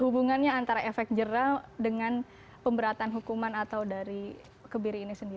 hubungannya antara efek jerah dengan pemberatan hukuman atau dari kebiri ini sendiri